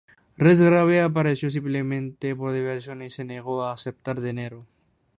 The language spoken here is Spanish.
Redgrave apareció simplemente por diversión y se negó a aceptar dinero.